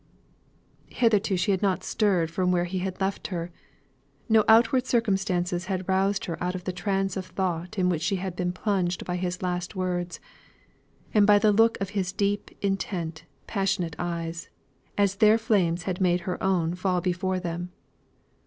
Hitherto she had not stirred from where he had left her; no outward circumstances had roused her out of the trance of thought in which she had been plunged by his last words, and by the look of his deep intent passionate eyes, as their flames had made her own fall before them.